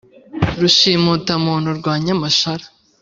Rushimutamuntu rwa Nyamashara